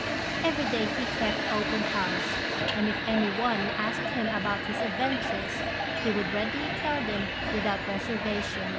Every day he kept open house, and if any one asked him about his adventures, he would readily tell them without reservation.